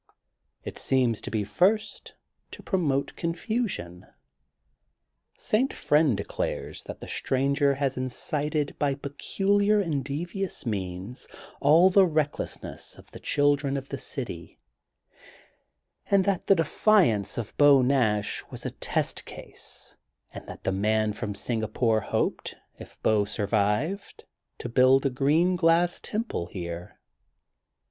It seems to be THE GOLDEN BOOK OF SPRINGFIELD 168 first, to promote confusion. St. Friend de clares that the stranger has incited by pecu liar and devious means" all the recklessness of the children of the city and that the de fiance of Beau Nash was a test case '' and that the man from Singapore hoped, if the Beau survived, to build a green glass temple here.